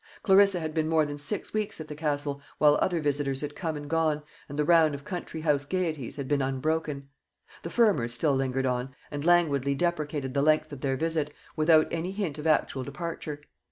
Clarissa had been more than six weeks at the Castle, while other visitors had come and gone, and the round of country house gaieties had been unbroken. The Fermors still lingered on, and languidly deprecated the length of their visit, without any hint of actual departure.